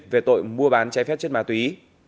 về tội mua bán cháy phép chất ma túy